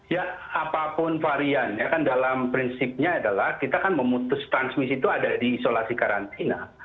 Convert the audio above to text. ya apapun varian ya kan dalam prinsipnya adalah kita kan memutus transmisi itu ada di isolasi karantina